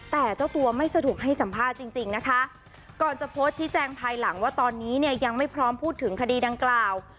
แต่เจ้าตัวไม่สะดวกให้สัมภาษณ์จริงจริงนะคะก่อนจะโพสต์ชี้แจงภายหลังว่าตอนนี้เนี่ยยังไม่พร้อมพูดถึงคดีดังกล่าว